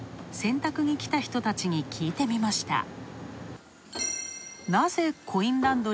洗濯に来た人たちに聞いてみました。